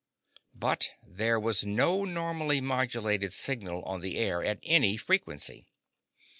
But there was no normally modulated signal on the air at any frequency.